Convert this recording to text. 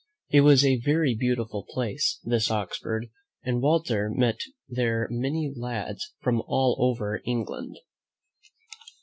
It was a very beautiful place, this Oxford, and Walter met there many lads from all over Eng land.